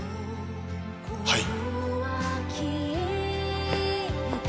はい。